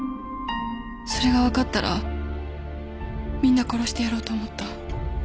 それが分かったらみんな殺してやろうと思った。